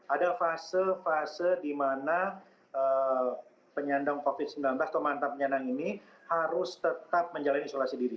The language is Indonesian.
ada fase fase di mana penyandang covid sembilan belas pemantap penyandang ini harus tetap menjalani isolasi diri